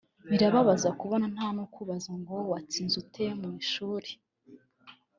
birababaza kubona nta nukubaza ngo ‘watsinze ute mu ishuri